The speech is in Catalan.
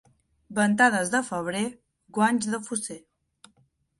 Ventades de febrer, guanys de fosser.